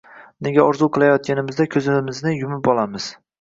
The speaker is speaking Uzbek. Nega orzu kilayotganimizda kuzimizni yumib olamiz